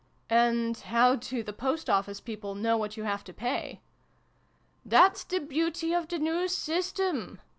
" And how do the Post Office people know what you have to pay ?' "That's the beauty of the new system!"